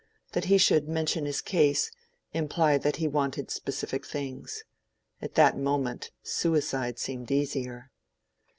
—that he should "mention his case," imply that he wanted specific things. At that moment, suicide seemed easier.